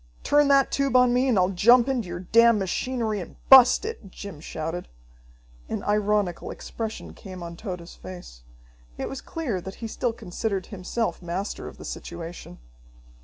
"Turn that tube on me, and I'll jump into your damn machinery and bust it!" Jim shouted. An ironical expression came on Tode's face. It was clear that he still considered himself master of the situation.